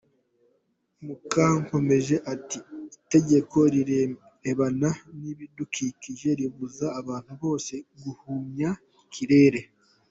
Mukankomeje ati ”Itegeko rirebana n’ibidukikije ribuza abantu bose guhumanya ikirere.